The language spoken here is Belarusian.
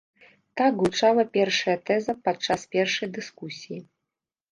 Так гучала першая тэза падчас першай дыскусіі.